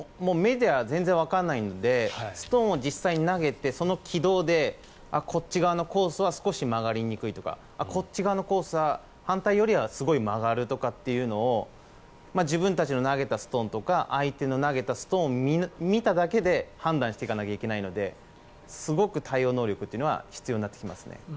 目では全然わからないのでストーンを実際に投げてその軌道でこっち側のコースは少し曲がりにくいとかこっち側のコースは反対よりはすごい曲がるというのを自分たちの投げたストーンとか相手の投げたストーンを見ただけで判断していかなきゃいけないのですごく対応能力が必要になってきますね。